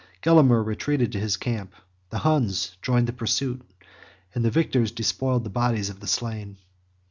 Gelimer retreated to his camp; the Huns joined the pursuit; and the victors despoiled the bodies of the slain.